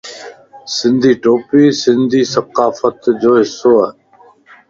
سنڌي ٽوپي بي سنڌي ثقافت جو حصو ائي.